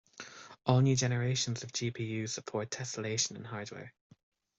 All new generations of GPUs support tesselation in hardware.